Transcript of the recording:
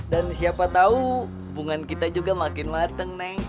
dan siapa tahu hubungan kita juga makin mateng neng